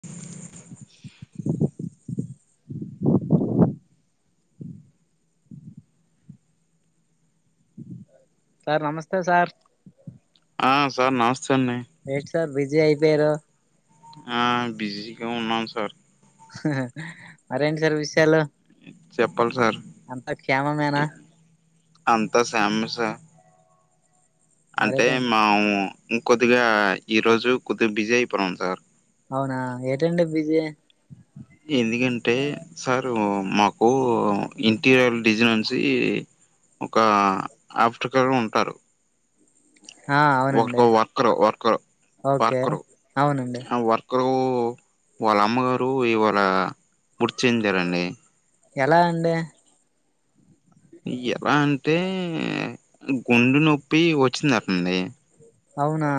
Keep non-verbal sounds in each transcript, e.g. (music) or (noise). (inaudible) Sir నమస్తే sir ఆ sir నమస్తే అండి ఏట్ సార్ బిజీ అయిపోయారు ఆ బిజీగా ఉన్నాం సార్ మరేంటి సార్ విషయాలు చెప్పాలి సార్ అంతా క్షేమమేనా అంతా క్షేమమే సార్ అంటే మరేటండి మాము ఇంకొద్దిగా ఈరోజు కొద్దిగా బిజీ అయిపోయినం సార్ అవునా ఏటండి బిజి ఎందుకంటే సారు మాకు ఇంటీరియర్ డిజైన్ నుంచి ఒక ఆఫటికల్గా ఉంటారు ఆ ఒక అవునండి వర్కరు వర్కరు ఓకే అవునండి ఇక్కరు వాళ్ళ అమ్మగారు ఇవాళ మృతి చెందారండి ఎలా అండి ఎలా అంటే గుండె నొప్పి వచ్చిందటండి అవునా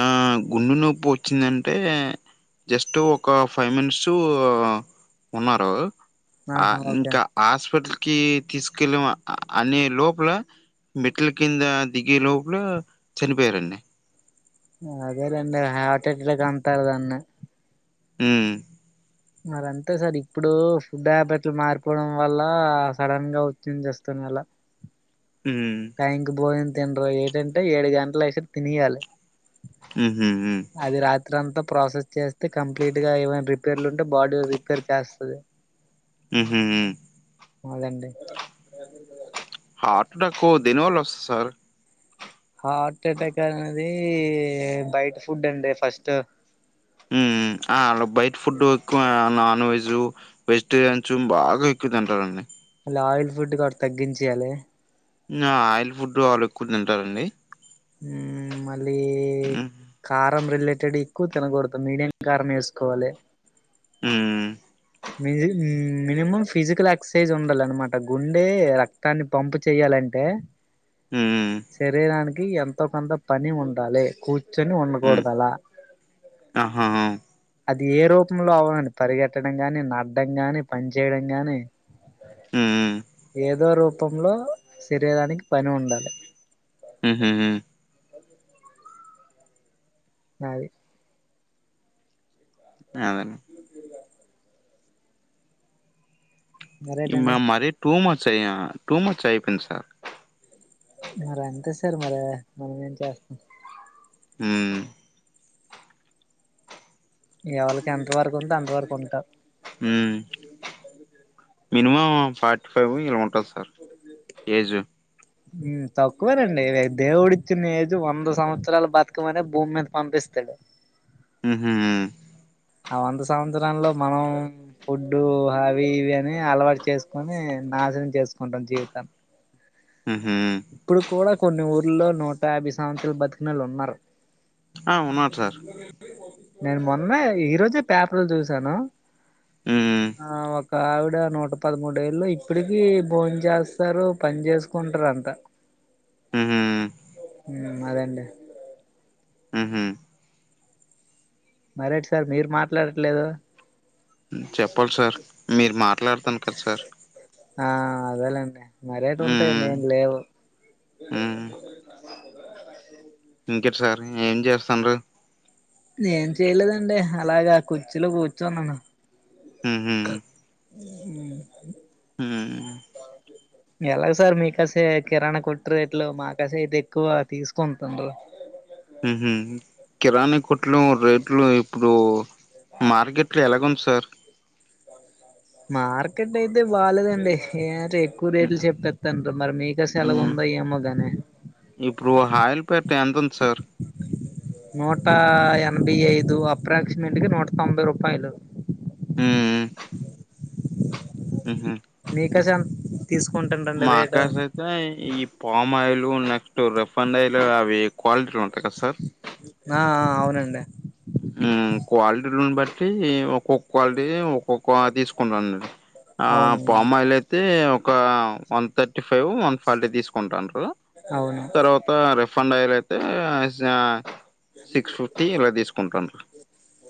ఆ గుండు నొప్పి వచ్చిందంటే జస్ట్ ఒక ఫైవ్ మినిట్స్ ఉన్నారు ఆ ఆహా ఓకే ఇంకా హాస్పిటల్కిి తీసుకెళ్ళం అనే లోపల మెట్ల కింద దిగే లోపల చనిపోయారండి అదే లేండి హార్ట్ అటెక్ అంటారు దాన్ని మ్మ్ మరి అంతే సార్ ఇప్పుడు ఫుడ్ హాబిట్లు మారిపోవడం వల్ల సడన్ గా వచ్చంది చేస్తున్ అలా మ్మ్ టైంకి భోజనం తినరు ఏటంటే ఏడు గంటలు అయ్యేసరికి తినెయ్యాలి ఉహు మ్ అది రాత్రి అంతా ప్రాసెస్ చేస్తే కంప్లీట్ గా ఏవైనా రిపేర్లు ఉంటే బాడీ రిపేర్ చేస్తది ఉహు అదండి హార్ట్ అటాక్కు దేనివళ్ళ వస్తది సార్ హార్ట్ అటాక్ అనేది బయట ఫుడ్ అండి ఫస్ట్ మ్ అలా బయట ఫుడ్ ఎక్కువ నాన్ వెజ్ వెజిటేరియన్ బాగా ఎక్కువ తింటారండి అల ఆయిల్ ఫుడ్ కూడా తగ్గించేయాలి ఆయిల్ ఫుడ్ వాళ్ళు ఎక్కువ తింటారండి ఉ మళ్ళీ హ్మ్. కారం రిలేటెడ్ ఎక్కువ తినకూడదు మీడియం కారం వేసుకోవాలి మ్ మి మినిమం ఫిజికల్ ఎక్సర్సైజ్ ఉండాలన్నమాట గుండె రక్తాన్ని పంపు చేయాలంటే మ్ శరీరానికి ఎంతో కొంత పని ఉండాలి కూర్చ ర్చొని హ్మ్. ఉండకూడదల ఆహా! అది ఏ రూపంలో అవ్వాలని పరిగెట్టడం గాని నడడం గాని పని చేయడం గాని హ్మ్మ్ ఏదో రూపంలో శరీరానికి పని ఉండాలె ఉ హు అది అవును రైట్ అండి ఈమె మర టూమచ్ అయ్యా టూమచ్ అయిపోయింది సార్ మరి అంతే సార్ మరి మనమేం చేస్తాం ఉమ్మ్ ఎవలికి ఎంత వరకు ఉందో అంత వరకు ఉంటా మ్మ్ మినిమం ఫార్టీ ఫైవ్ ఇలా ఉంటుంది సార్ ఏజ్ మ్ తక్కువేనండి దేవుడు ఇచ్చిన ఏజు వంద సంవత్సరలు బతకమనే భూమి మీద పంపిస్తాడు ఆహా ఆ వంద సంవత్సరల్లో మనం ఫుడ్డు హావి ఇవి అని అలవాటు చేసుకుని నాశనం చేసుకుంటాం జీవితం ఆహా ఇప్పుడు కూడా కొన్ని ఊర్లో నూట ఆభై సంవత్సరాలు బతికినోళ్లు ఉన్నారు ఆ ఉన్నార్ సార్ నేను మొన్నే ఈ రోజే పేపర్లు చూసాను హ్మ్. ఆ వక్ ఒక ఆవిడ నూట పదమూడుఏళ్లు ఇప్పటికి భోన్ చేస్తారు పని చేసుకుంటర్ అంత హుహు. ఉమ్ అదేండి హుహు. మరేటి సార్ మీరు మాట్లాడట్లేదు చెప్పాల్ సార్ మీరు మాట్లాడతను కద్ సార్ ఆ అదేలేండి మరేటుంటాయ్ నేం లేవు మ్మ్ ఇంకేట్ సార్ ఏం చేస్తుండు ఏం చెయలేదండి అలాగా కుర్చీలో గూర్చున్నాను ఉ హూ ఉం ఉ (unintelligible) ఉహ్మ్ ఎలా సార్ మీ కసే కిరాణా కొట్టి రేట్లు మా కసే ఇది ఎక్కువ తీసుకుంటుండ్రు ఉహుమ్ కిరాణీ కుట్లు రేట్లు ఇప్పుడు మార్గేట్ లో ఎలాగుది సార్ మార్కెట్ అయితే బాలేేదండి ఏ టి ఎక్కువ హ్మ్. రేట్లు చెప్పేత్తండ్రు మరి మీకసె ఎలాగా హ్మ్. ఉందో ఏమో గాని ఇప్పుడు హాయిల్ పేట్ ఎంత్ ఉంద్ సార్ నూట ఎనిభై ఐదు అప్రాక్సిమేట్గా నూట తొంభై రూపాయలు ఊ ఉమ్ ఉహు మీ కసాం మాకా సెత్ స ఈ palm oil next refined oil అవి క్వాలిటీలు ఉంటాయి కదా సార్ నా ఆ అవునండి ఊమ్ క్వాలిటీలుని బట్టి ఒక్కొ క్వాలిటీది ఒక్కొక్క తీసుకుంటన్న నేను ఆ అవును పామాయిలయితే ఒక one thirty five one forty తీసుకుంటాన్రు అవును తర్వాత రిఫండ్ అయ్యలయితే స సిక్స్ ఫిఫ్టీ ఇలా తీసుకుంటన్రు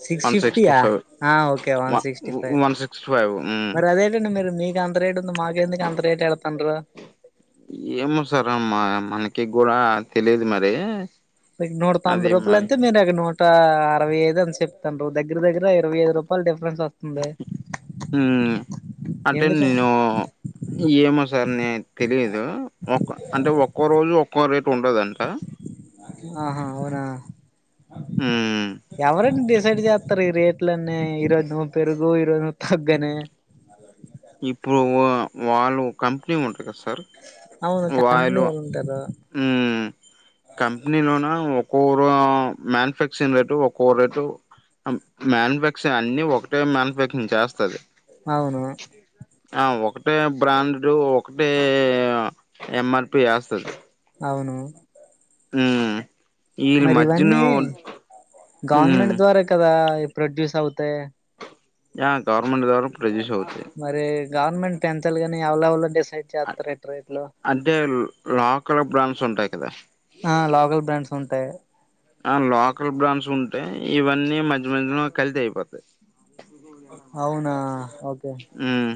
సిక్స్ ఫిఫ్టీ యా అ okay one sixty five one sixty five మ్మ్ మర్ అదేన్ టండి మీరు మీక్ అంత రేటు ఉంది మాకెందుకు అంత రేట్ యడ్ తండ్రు ఏమో సార్ అమ్మా మనకి గూడా తెలిదు మరి నీకు నూట తొంబై అది మరి రూపాలయితే మీరేగా నూట్ టా అరవైఐద్ అన్ చెప్తన్రు దగ్గ్గర దగ్గర ఇరవై అర్ రూపాయలు డిఫరెన్స్ ఒస్ ఊమ్ అంటే ఎందుకు నేను ఏమో సార్ని తెలీదు ఒక్ అంటే ఒక్కో రోజు ఒక్కో రేటు ఉండదండి ఆహా అవు నా ఉమ్ యవరండి డిసైడ్ చేత్తరు ఈ రేట్లన్నీ ఈరోజు నువ్వు పెరుగు ఈరోజు నువ్వు తగ్గనే ఇప్పుడు వ వాళు కంపెనీ ఉంటది గా సార్ వాయిలు దదా ఊమ్ కంపెనీ లోన ఒక్కోరా మ్యానుఫ్యాక్చరింగ్ రేటు ఒక్కొ రేటు అం మ్యానుఫ్యాక్చ అన్ని ఒకటే మ్యానుఫ్యాక్చరింగ్ చేస్తది అవును ఆ ఒకటే బ్రాండు ఒకటే ఎంఆర్పి యాస్తది అవును ఊమ్ ఇల్ మజ్జిను గార్నమెంట్ ద్వారే కదా ఇ ప్రొడ్యూస్ అవుతే యా గవర్నమెంట్ ద్వారా ప్రొజ్యూస్ అవుతే మరి గవర్నమెంట్ పెంచాలి కాని యవల్ యవలొ డిసైడ్ చేత్తారేట్ రేట్లు అంటే లోకల బ్రాండ్స్ ఉంటాయి కదా ఆ లోకల్ బ్రాండ్స్ ఉంటాయ్ ఆ లోకల్ బ్రాండ్స్ ఉంటే ఇవన్నీ మధ్య మధ్యలో కల్తీ అయిపోతయ్ అవునా ఓకే ఊమ్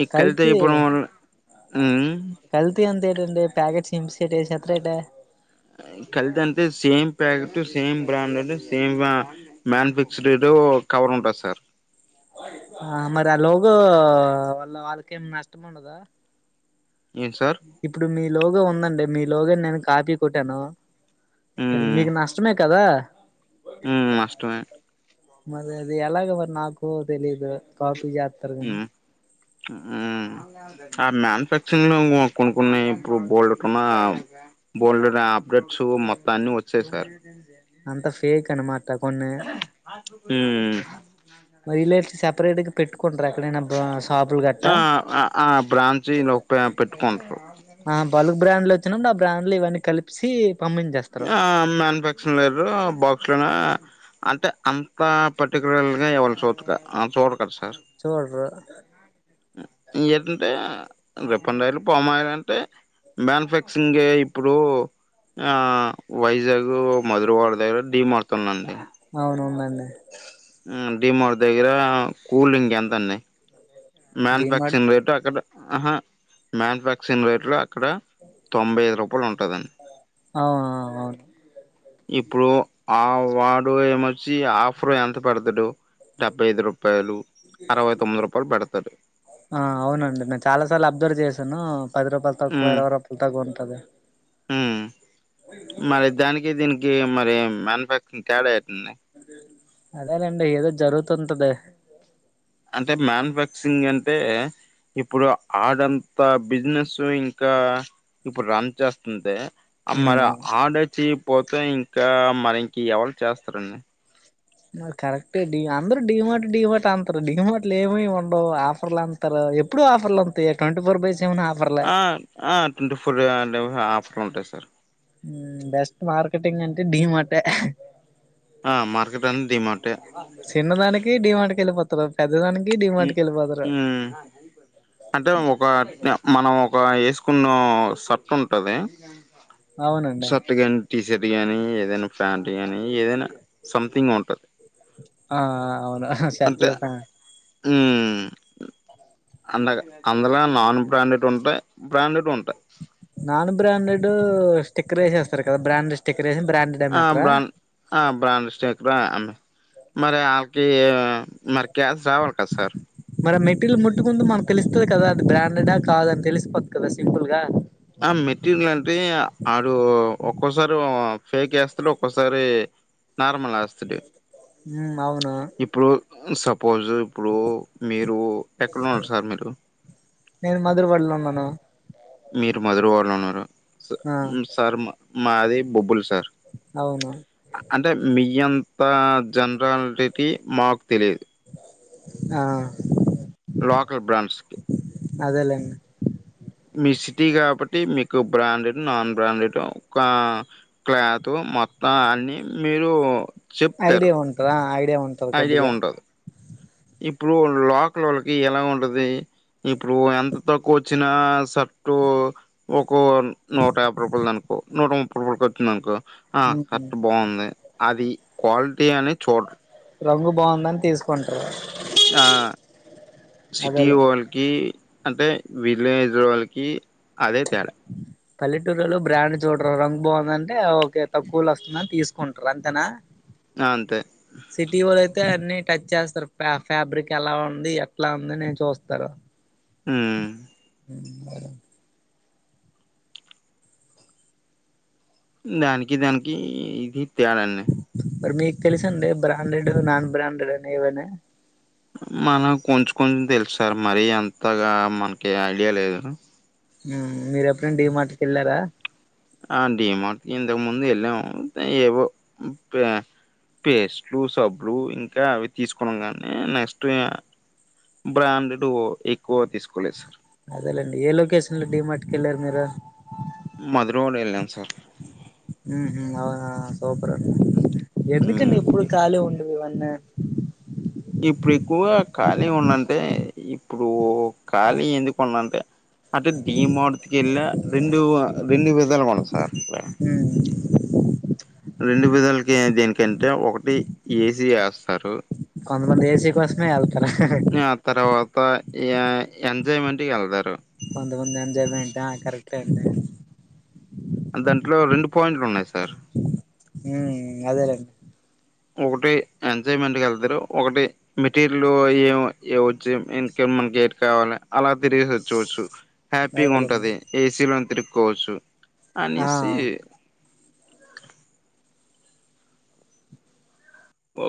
ఈ కల్తీ అయిపోవడం వల్ల ఉమ్ కల్తీ ఎంతేటండి ప్యాకెట్స్ సింప్సేటెస్ ఏసేత్త రేటే అ కల్తీ అంటే same packet same branded same వ మ్యాన్ఫిక్స్డ్ రేట్ ఓ కవర్ ఉంటద్ సార్ ఆ మరి ఆ లోగో వాళ్ళ వాళ్ళకేం నష్టం ఉండదా ఏంట్ సార్ ఇప్పుడు మీ లోగో ఉందండి మీ లోగోన్ నేను కాపీ కొట్టాను ఇప్పుడు ఉమ్ మీకు నష్టమే కదా ఉమ్ నష్టమే మరి అది ఎలాగ మరి నాకు తెలీదు కాపీ జేత్ ఉం ఉ ఉమ్ ఆ మ్యానుఫ్యాక్చనింగో కొను కొన్ని ఇప్పుడు బోల్డుటున్నా బోల్డ్ నా అప్డేట్స్ మొత్తన్ని ఒచ్చాయ్ సార్ అంత ఫేక్ అనమాట కొన్ని ఊమ్ మ ఇలేటి సెపరేట్ గ్ పెట్టుకుంట్ర ఎక్కడైనా షాపులు ఆ గట్టా ఆ అ బ్రాంచిలో ప పెట్టుకుంటారు ఆ బల్క్ బ్రాండ్లు వచ్చినపుడు ఆ బ్రాండ్లు ఇవన్నీ కలిసి పంపించేస్తారు ఆ మమాన్యుఫాక్చరింగ్ లేరు బాక్స్లనా అంటే అంత పర్టిక్యులర్ గా ఎవరూ చూదు క చూడరు కదా సార్ చూడరు ఏ ఏటంటే రిఫైండ్ ఆయిల్ పామ్ ఆయిల్ అంటే మ్యానుఫ్యాక్చరింగే ఇప్పుడు ఆ వైజాగ్ మధుర్వాడ దగ్గర ఢి మార్ట్ ఉందండీ అవునుందండి డి మార్ట్ దగ్గర కూల్ డ్రింక్ ఎంత అండి డీమార్ట్ మ్యానుఫ్యాక్చరింగ్ రేట్ అక్కడ ఆహా మ్యానుఫ్యాక్చరింగ్ రేట్లో అక్కడ తొంభై ఐదు రూపాయలు ఉంటుందండి అవునా (unintelligible) ఇప్పుడు ఆ వాడు ఏమొచ్చి ఆఫర్ ఎంత పెడతాడు డెబ్బై ఐదు రూపాయలు అరవై తొమ్మిది రూపాయలు పెడతడు ఆ అవునండి నేను చాలా సార్లు అబ్జర్వ్ చేశాను పది రూపాయలు తక్కువ ఉమ్ ఇరవై రూపాయలు తక్కువ ఉంటుది మరి దానికి దీనికి మరి మ్యానుఫ్యాక్చరింగ్ తేడా ఎటుంది అదేనండి ఏదో జరుగుతుంటది అంటే మ్యానుఫ్యాక్చరింగ్ అంటే ఇప్పుడు ఆడంతా బిజినెస్ ఇంకా ఇప్పుడు రన్ చేస్తుంటే ఉమ్ మరి అవును ఆర్డర్ ఇచ్చి పోతే ఇంకా మరి ఇంకి ఎవరు చేస్తారండి కరెక్ట్ డీ అందరు డి మార్ట్ డి మార్ట్ అంటరు డి మార్ట్లు ఏం ఉండవు ఆఫర్లు అంత ఎప్పుడు ఆఫర్లు వాతయ twenty four by seven offer twenty four ఆఫర్లు ఉంటాయి సార్ బెస్ట్ మార్కెటింగ్ అంటే ఢీ మార్టే ఆ మార్కెట్ అంటే ఢీ మార్టే చిన్న దానికి డి మార్టుకి వెళ్ళపోతారు పెద్ద దానికి ఢీ మార్ట్కె వెళ్ళిపోతారు అ అంటే ఒక నె మనం ఒక ఏసుకున్న షర్ట్ ఉంటది అవునండి షర్ట్ గాని టీషర్ట్ గాని ఏదైనా ప్యాంట్ గానీ ఏదైనా సంథింగ్ ఉంట ఆ ఆ అవున అంతే ఊమ్ అండగా అందులో నాన్ బ్రాండెడ్ ఉంటయి బ్రాండెడ్ ఉంటయి నాన్ బ్రాండెడ్ స్టిక్కర్ ఏసేస్తరు కదా బ్రాండ్ స్టిక్కర్ ఏసి బ్రాండ్ ఆ బ్రాండ్ ఆ బ్రాండ్ స్టేకరా మరి ఆళ్కి మరి క్యాస్ రావట సార్ మరి మెటీరియల్ ముట్టుకుంటూ మనకు తెలుస్తది కదా అది బ్రాండెడ్ కాదని తెలిసిపోద్దు కదా సింపుల్ గా ఆ మెటీరియల్ అంటే ఆడు ఒక్కోసారి ఓ ఫేక్ ఏస్తడు ఒక్కోసారి నార్మల్ ఎస్టాడు ఉమ్ అవునా ఇప్పుడు సపోజ్ ఇప్పుడు మీరు ఎక్కడ ఉన్నారు సార్ మీరు నేను మధురవాడలో ఉన్నాను మీరు మధురవాడలో ఉన్నరు స ఆ మ్ స సార్ మా మాది బొబ్బులు సార్ అవును అంటే మీ అంత జనరాలిటీకి మాకు తెలిదు ఆ లోకల్ బ్రాడ్స్కి అదేలేండి మీ సిటీ కాబట్టి మీకు బ్రాండెడ్ నాన్ బ్రాండెడ్ ఒక క్లాత్ మొత్తం అన్ని మీరు చెప్తారు ఐడియా ఉంటదా ఐడియా ఉం ఐడియా ఉంటదు ఇప్పుడు లోకలోళ్ళకి ఎలా ఉంటది ఇప్పుడు ఎంత తక్కువొచ్చినా షర్టు ఒకో నూట యాభై రూపాయలదనుకో నూట ముప్పై రూకొచ్చిందనుకో అ ఉమ్ షర్ట్ బాగుంది అది క్వాలిటీ అని చూడరు రంగు బాగుందని తీసు కొన్ట్రు ఆ సిటీ ఓల్ కి అంటే విలేజ్ వాళ్ళకి అదే తేడా పల్లెటూరోళ్లు బ్రాండ్ చూడరు రంగు బాగుందంటే ఆ ఓకే తక్కువులొ ఒస్తుందని తీసుకుంటరు అంతేనా అ అంతే సిటీ వలయితే అన్ని టచ్చేస్తరు ఫ్యా ఫ్యాబ్రిక్ ఎలా ఉంది ఎట్లా ఉందనీ చూస్తరు ఊమ్ ఉమ్మ్ దానికి దానికి ఇది తేడని మరి మీక్ తెలుసండి బ్రాండెడ్ నాన్ బ్రాండెడ్ అని ఏవని మనకొంచె కొంచెం తెలుసార్ మరి అంతగా మనకి ఐడియా లేదు ఉమ్ మీరెప్పుడన్న డీమార్ట్ కెల్లారా ఆ డీ మాట్ ఇంతముందు వెళ్ళాము ఏవో ఉమ్ ప్ పేస్ట్లు సబ్లు ఇంకా అవి తీసుకున్నాంగానీ నెక్స్ట్ బ్రాండుడ్ ఎక్కువ తీసుకోలేదు సార్ అదేలేండి ఏ లొకేషన్లు డి మార్ట్ కెళ్ళారు మీరు మధురవాడ యెళ్ళామ్ సార్ ఉహు అవుహ సూపర్అండి ఎందుకని ఉమ్, ఎప్పుడు ఇ- ఖాళీ ఉండవివన్నీ ఇప్పుడు ఎక్కువగా ఖాళీ ఉన్నంటే ఇప్పుడు ఖాళీ ఎందుకుండంటే అంటే డీ మార్తికెళ్ళ రెండు రెండు విధాలు (unintelligible) సార్ రెండు విధలకి దేనికంటే ఒకటి ఏసీ వేస్తారు కొంత మంది ఏసీ కోసమే వెళ్తారు ఆ తర్వాత య ఎంజాయ్మెంట్కి వెళ్తారు కొంతమంది ఎంజాయ్మెంట ఆ కరెక్ట్ అండి దాంట్లో రెండు పాయింట్లు ఉన్నాయి సార్ మ్మ్ ఆదేలెండి ఒకటి ఎంజాయ్మెంట్కి వెళ్తారు ఒకటి మెటీరియల్ ఏ వచ్చు ఇక మనకి ఎట్ కావాలి అలా తిరిగిసి వచ్చేయవచ్చు హ్యాపీగా అదేలేండి ఉంటుది ఏసీలో తిరుక్కోవచ్చు అనేసి ఆ